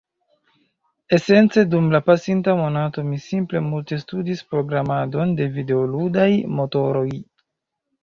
esence dum la pasinta monato mi simple multe studis programadon de videoludaj motoroj.